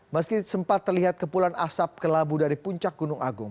meski sempat terlihat kepulan asap ke labu dari puncak gunung agung